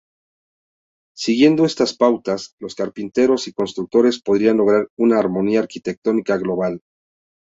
Siguiendo estas pautas, los carpinteros y constructores podrían lograr una armonía arquitectónica global.